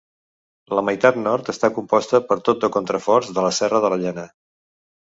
La meitat nord està composta per tot de contraforts de la Serra de la Llena.